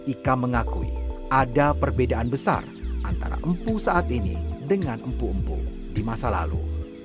ika mengakui ada perbedaan besar antara empu saat ini dengan empuk empu di masa lalu